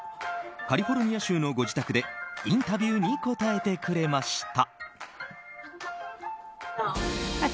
カリフォルニア州のご自宅でインタビューに答えてくれました。